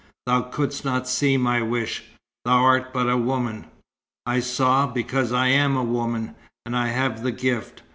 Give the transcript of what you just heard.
"Thou couldst not see my wish. Thou art but a woman." "I saw, because I am a woman, and I have the gift.